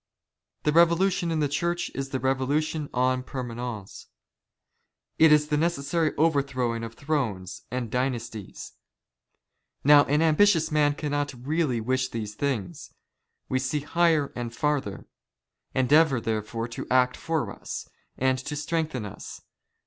The Revolution in the Church is the ^^ 'ReYoliition en jyermanence. It is the necessary overthrowing " of thrones and dynasties. Now an ambitious man cannot " really wish these things. We see higher and farther. Endeavour '' therefore to act for us, and to strengthen us.